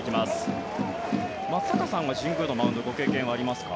松坂さんは神宮のマウンドご経験はありますか？